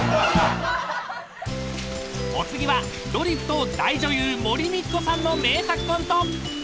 ［お次はドリフと大女優森光子さんの名作コント］